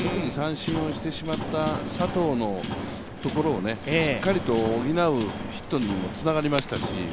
特に三振をしてしまった佐藤のところをしっかりと補うヒットにもつながりましたし。